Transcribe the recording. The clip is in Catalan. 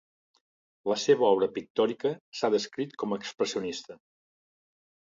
La seva obra pictòrica s'ha descrit com a expressionista.